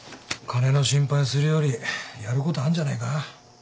金の心配するよりやることあんじゃねえか？